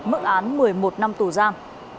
mỡ án một mươi một năm tù gian